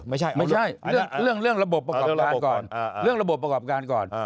ไม่ใช่เรื่องระบบประกอบการก่อน